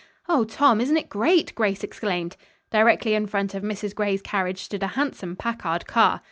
"O Tom, isn't it great?" Grace exclaimed. Directly in front of Mrs. Gray's carriage stood a handsome Packard car.